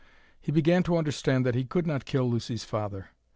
He began to understand that he could not kill Lucy's father.